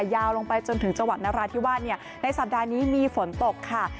ยาวลงไปจนถึงจังหวัดนราธิวาสในสัปดาห์นี้มีฝนตกค่ะ